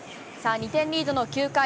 ２点リードの９回。